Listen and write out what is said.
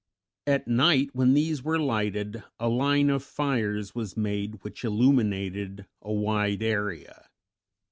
At night, when these were lighted, a line of fires was made which illuminated a wide area.